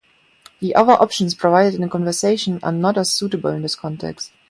The other options provided in the conversation are not as suitable in this context.